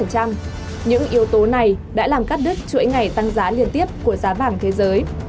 những yếu tố này đã làm các đức chuỗi ngày tăng giá liên tiếp của giá bảng thế giới